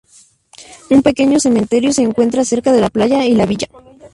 Un pequeño cementerio se encuentra cerca de la playa y la villa.